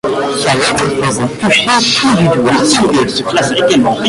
Sa lettre faisait toucher tout du doigt.